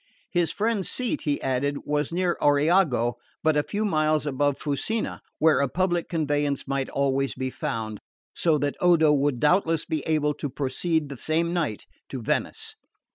His friend's seat, he added, was near Oriago, but a few miles above Fusina, where a public conveyance might always be found; so that Odo would doubtless be able to proceed the same night to Venice.